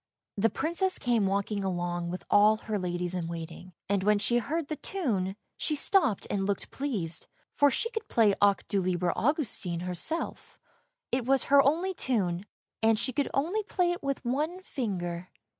The Princess came walking along with all her ladies in waiting, and when she heard the tune she stopped and looked pleased, for she could play " Ach du lieber Augustin " herself; it was her only tune, and she could only play it with one finger.